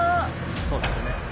そうですね。